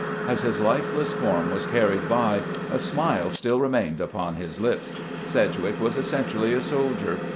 As his Hfeless form was carried by, a smile still remained upon his lips. Sedgwick was essentially a soldier.